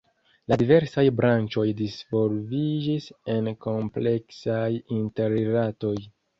La diversaj branĉoj disvolviĝis en kompleksaj interrilatoj.